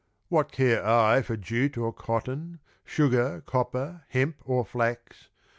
What care I for jute or cotton, Sugar, copper, hemp, or flax!